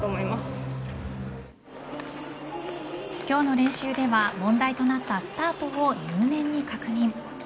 今日の練習では問題となったスタートを入念に確認。